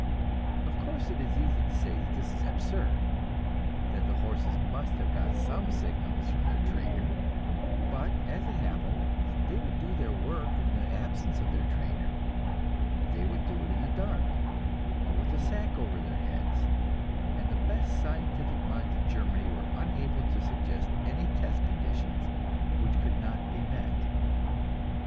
Of course, it is easy to say that this is absurd, that the horses must have got some signals from their trainer; but, as it happened, they would do their work in the absence of their trainer; they would do it in the dark, or with a sack over their heads, and the best scientific minds of Germany were unable to suggest any test conditions which could not be met.